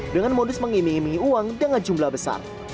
dengan modus mengiming imingi uang dengan jumlah besar